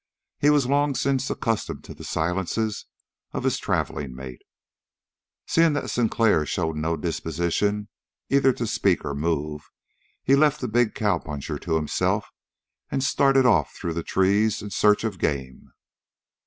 He was long since accustomed to the silences of his traveling mate. Seeing that Sinclair showed no disposition either to speak or move, he left the big cowpuncher to himself and started off through the trees in search of game.